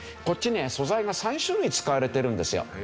こっちね素材が３種類使われてるんですよ。